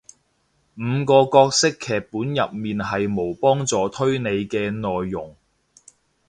五個角色劇本入面係無幫助推理嘅內容